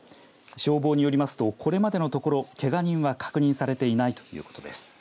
消防によりますとこれまでのところけが人は確認されていないということです。